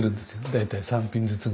大体３品ずつぐらい。